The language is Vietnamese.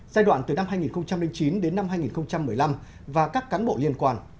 giai đoạn từ năm hai nghìn chín đến năm hai nghìn một mươi năm và các cán bộ liên quan